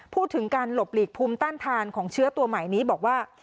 พูดถึงการหลบหลีกภูมิต้านทานของเชื้อตัวใหม่นี้บอกว่า